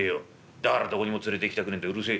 だからどこにも連れていきたくねえんだうるせえ」。